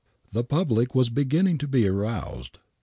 The public was beginning to be aroused.